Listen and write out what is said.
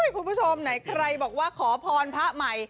คุณผู้ชมไหนใครบอกว่าขอพรพระใหม่